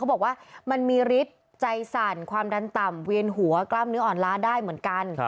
บอกว่ามันมีฤทธิ์ใจสั่นความดันต่ำเวียนหัวกล้ามเนื้ออ่อนล้าได้เหมือนกัน